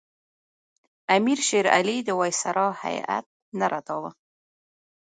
امیر شېر علي د وایسرا هیات نه رداوه.